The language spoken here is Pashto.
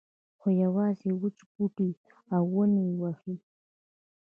خو یوازې وچ بوټي او ونې یې وهي.